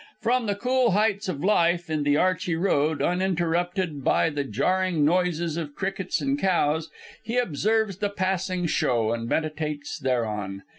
From the cool heights of life in the Archey Road, uninterrupted by the jarring noises of crickets and cows, he observes the passing show, and meditates thereon.